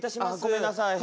ごめんなさい。